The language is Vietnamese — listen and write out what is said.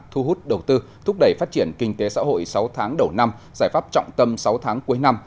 thu hút đầu tư thúc đẩy phát triển kinh tế xã hội sáu tháng đầu năm giải pháp trọng tâm sáu tháng cuối năm